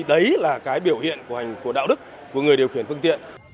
đấy là cái biểu hiện của đạo đức của người điều khiển phương tiện